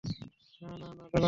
না, না, না, দাঁড়াও।